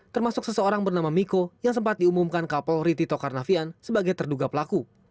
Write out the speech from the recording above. termasuk seseorang bernama miko yang sempat diumumkan kapolri tito karnavian sebagai terduga pelaku